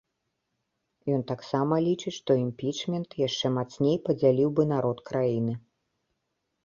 Ён таксама лічыць, што імпічмент яшчэ мацней падзяліў бы народ краіны.